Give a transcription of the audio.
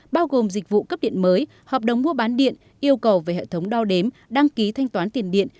bao gồm dịch vụ cấp điện mới hợp đồng mua bán điện yêu cầu về hệ thống đo đếm đăng ký thanh toán tiền điện